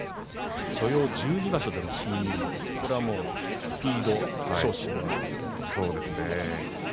所要１２場所での新入幕これはもうスピード昇進なわけですが。